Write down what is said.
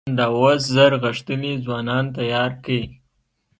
همدا اوس زر غښتلي ځوانان تيار کئ!